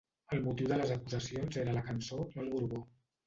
El motiu de les acusacions era la cançó ‘No al Borbó’.